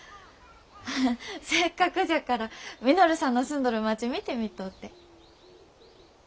ハハッせっかくじゃから稔さんの住んどる町見てみとうて。